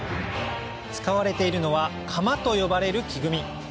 使われているのは「鎌」と呼ばれる木組み